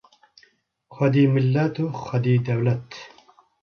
Xwedî millet û xwedî dewlet